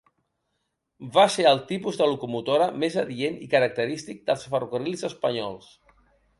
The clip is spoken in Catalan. Va ser el tipus de locomotora més adient i característic dels ferrocarrils espanyols.